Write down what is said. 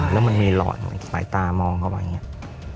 แล้วมันมีหลอดหลายตามองเขาว่าอย่างนี้